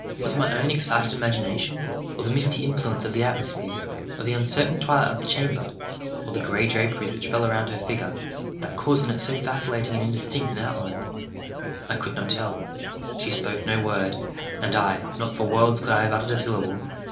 Was it my own excited imagination—or the misty influence of the atmosphere—or the uncertain twilight of the chamber—or the gray draperies which fell around her figure—that caused in it so vacillating and indistinct an outline? I could not tell. She spoke no word; and I—not for worlds could I have uttered a syllable.